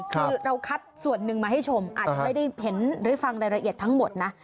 คือเราคัดส่วนหนึ่งมาให้ชมอาจจะไม่ได้เห็นหรือฟังรายละเอียดทั้งหมดนะ